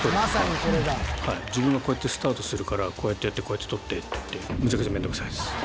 自分がこうやってスタートするからこうやってやってこうやって撮ってっていって。